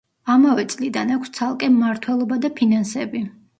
ამავე წლიდან აქვს ცალკე მმართველობა და ფინანსები.